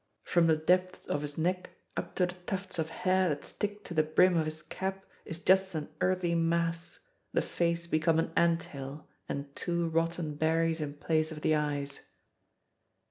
From the depth of his neck up to the tufts of hair that stick to the brim of his cap is just an earthy mass, the face become an anthill, and two rotten berries in place of the eyes.